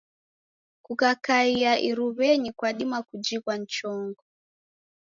Kukakaia iruw'enyi kwadima kujighwa ni chongo.